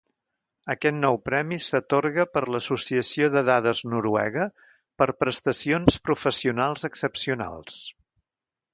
Aquest nou premi s'atorga per l'Associació de Dades Noruega per prestacions professionals excepcionals.